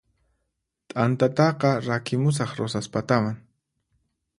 T'antataqa rakimusaq Rosaspataman